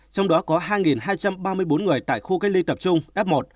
trong đó có hai hai trăm ba mươi bốn người tại khu cách ly tập trung f một